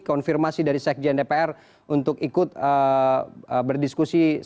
konfirmasi dari sekjen dpr untuk ikut berdiskusi sore ini